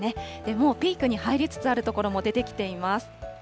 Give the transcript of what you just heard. もうピークに入りつつある所も出てきています。